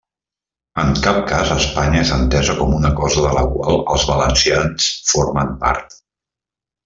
En cap cas Espanya és entesa com una cosa de la qual els valencians formen part.